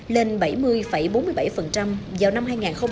lên bảy mươi bốn mươi bảy vào năm hai nghìn một mươi tám